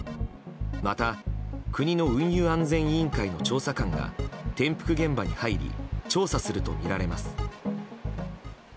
また、国の運輸安全委員会の調査官が転覆現場に入り調査するとみられます。